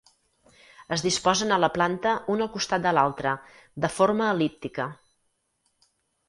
Es disposen a la planta un al costat de l'altre, de forma el·líptica.